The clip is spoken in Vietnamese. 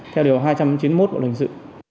theo điều hai trăm chín mươi một bộ luật hình sự